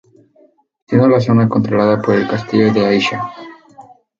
Siendo la zona controlada por el Castillo de Aixa.